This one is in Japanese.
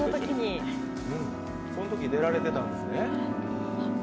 このとき、出られてたんですね。